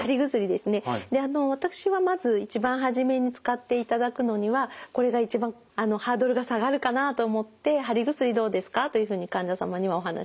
私はまず一番初めに使っていただくのにはこれが一番ハードルが下がるかなと思って「貼り薬どうですか」というふうに患者様にはお話をします。